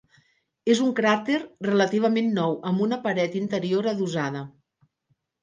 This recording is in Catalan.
És un cràter relativament nou amb una paret interior adossada.